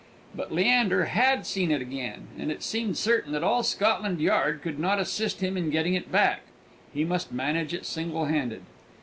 But Leander had seen it again, and it seemed certain that all Scotland Yard could not assist him in getting it back; he must manage it single handed.